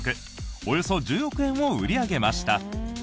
およそ１０億円を売り上げました。